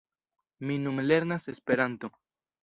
Mi nun lernas Esperanton.